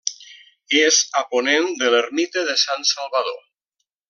És a ponent de l'ermita de Sant Salvador.